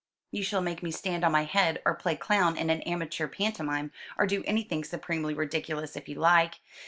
"You shall make me stand on my head, or play clown in an amateur pantomime, or do anything supremely ridiculous, if you like.